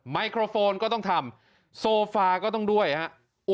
ไมโครโฟนก็ต้องทำโซฟาก็ต้องด้วยฮะ